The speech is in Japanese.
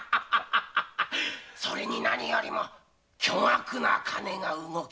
それに何よりも巨額な金が動きます。